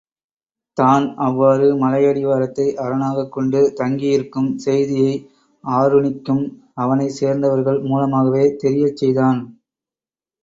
தான் அவ்வாறு மலையடிவாரத்தை அரணாகக் கொண்டு தங்கியிருக்கும் செய்தியை ஆருணிக்கும் அவனைச் சேர்ந்தவர்கள் மூலமாகவே தெரியச் செய்தான்.